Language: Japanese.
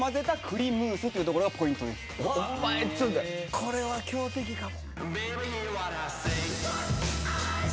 ・これは強敵かも。